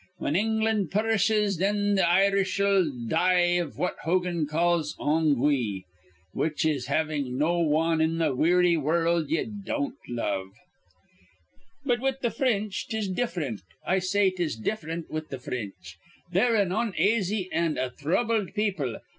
Whin England purrishes, th' Irish'll die iv what Hogan calls ongwee, which is havin' no wan in the weary wurruld ye don't love. "But with th' Fr rinch 'tis diff'rent. I say 'tis diffrent with th' Fr rinch. They're an onaisy an' a thrubbled people.